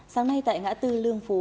sáng nay tại ngã tư lương phú